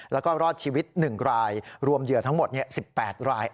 แล้วก็รอดชีวิต๑รายรวมเหยื่อทั้งหมด๑๘ราย